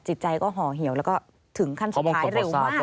จิตใจก็ห่อเหี่ยวแล้วก็ถึงขั้นสุดท้ายเร็วมาก